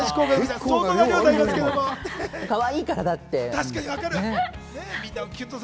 かわいいから、だって。